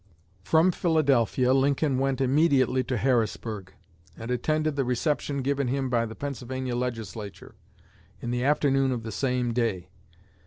From Philadelphia Lincoln went immediately to Harrisburg, and attended the reception given him by the Pennsylvania Legislature, in the afternoon of the same day.